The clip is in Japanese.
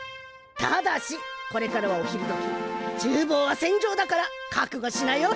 ただしこれからはお昼どきちゅうぼうは戦場だからかくごしなよ。